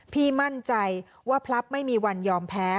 มั่นใจว่าพลับไม่มีวันยอมแพ้